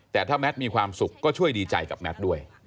แต่ถ้าแมทมีความสุขก็ช่วยดีใจกับแมทด้วย